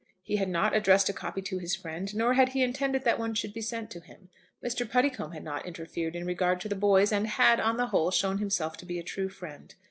He had not addressed a copy to his friend, nor had he intended that one should be sent to him. Mr. Puddicombe had not interfered in regard to the boys, and had, on the whole, shown himself to be a true friend.